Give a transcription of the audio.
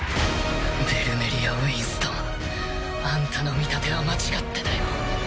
ベルメリア・ウィンストンあんたの見立ては間違ってたよ。